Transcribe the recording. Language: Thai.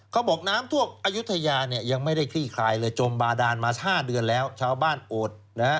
เขาบอกน้ำท่วมอายุทยาเนี่ยยังไม่ได้คลี่คลายเลยจมบาดานมา๕เดือนแล้วชาวบ้านโอดนะฮะ